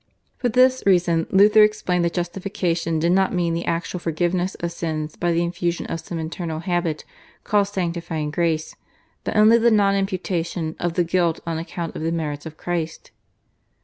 For this reason Luther explained that justification did not mean the actual forgiveness of sin by the infusion of some internal habit called sanctifying grace, but only the non imputation of the guilt on account of the merits of Christ.